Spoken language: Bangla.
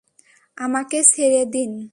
আমাকে ছেড়ে দিন।